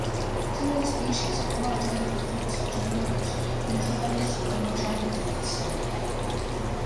Several species have large edible fruits, which are known as pitahayas or dragonfruits.